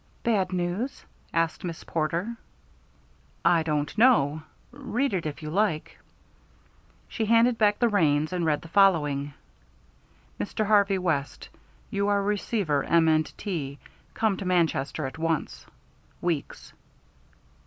"Bad news?" asked Miss Porter. "I don't know. Read it if you like." She handed back the reins and read the following: Mr. Harvey West: You are receiver M. & T. Come to Manchester at once. Weeks.